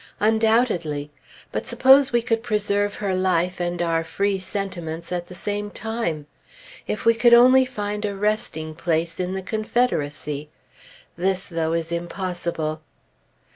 Undoubtedly! But suppose we could preserve her life and our free sentiments at the same time? If we could only find a resting place in the Confederacy! This, though, is impossible.